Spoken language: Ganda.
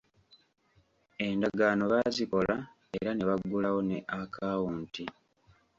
Endagaano baazikola era ne baggulawo ne akawunti.